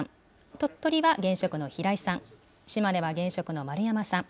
鳥取は現職の平井さん、島根は現職の丸山さん。